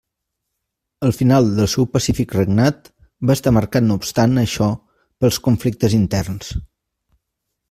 El final del seu pacífic regnat va estar marcat no obstant això pels conflictes interns.